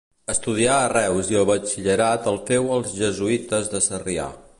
Estudià a Reus i el batxillerat el féu als jesuïtes de Sarrià.